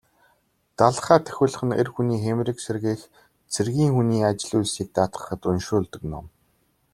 Далха тахиулах нь эр хүний хийморийг сэргээх, цэргийн хүний ажил үйлсийг даатгахад уншуулдаг ном.